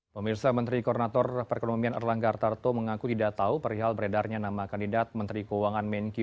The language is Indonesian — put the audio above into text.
pemirsa menteri koordinator perekonomian erlangga artarto mengaku tidak tahu perihal beredarnya nama kandidat menteri keuangan menkyu